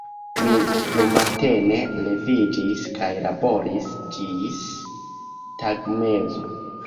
Mi frumatene leviĝis kaj laboris ĝis tagmezo.